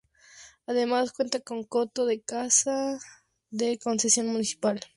Además cuenta con un coto de caza de concesión municipal.